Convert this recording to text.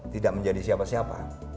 tidak menjadi siapa siapa